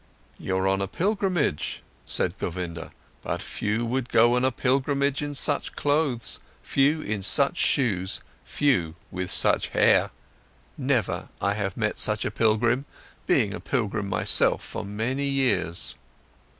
"You're on a pilgrimage," said Govinda. "But few would go on a pilgrimage in such clothes, few in such shoes, few with such hair. Never I have met such a pilgrim, being a pilgrim myself for many years."